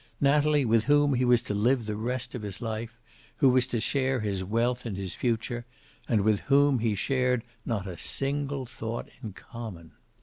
Natalie with whom he was to live the rest of his life, who was to share his wealth and his future, and with whom he shared not a single thought in common.